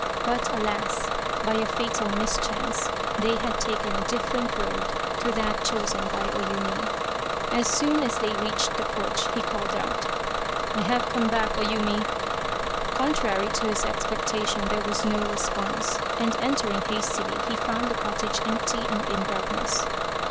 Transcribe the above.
But alas ! by a fatal mischance they had taken a different road to that chosen by O Yumi. As soon as they reached the porch he called out :" I have come back, O Yumi !" Contrary to his expectation there was no response, and entering hastily he found the cottage empty and in darkness.